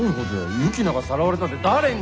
ユキナがさらわれたって誰に！？